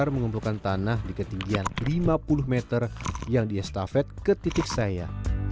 lima puluh meter yang diestafet ketitik saya